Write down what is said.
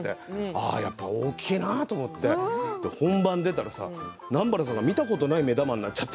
やっぱり大きいなと思って本番出たらさ南原さんが見たことない目玉になっちゃって。